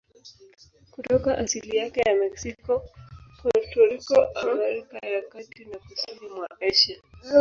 Kutoka asili yake ya Meksiko, Puerto Rico, Amerika ya Kati na kusini mwa Asia.